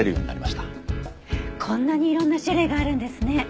こんなにいろんな種類があるんですね。